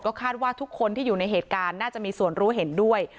คาดว่าทุกคนที่อยู่ในเหตุการณ์น่าจะมีส่วนรู้เห็นด้วย